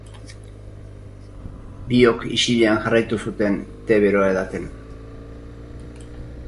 Biok isilean jarraitu zuten te beroa edaten.